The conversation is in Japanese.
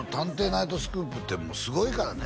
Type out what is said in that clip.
ナイトスクープ」ってすごいからね